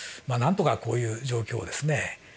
なんとかこういう状況をですね